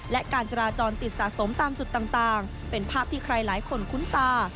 และการจราจรติดสะสมตามจุดต่างเป็นภาพที่ใครหลายคนคุ้นตา